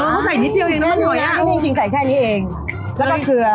อ๋อเขาใส่นิดเดียวเองน้ำมันหอยน่ะแค่นี้นะอันนี้จริงใส่แค่นี้เองแล้วก็เกลือ